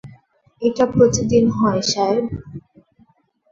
এটা প্রতিদিন হয়, সাহেব।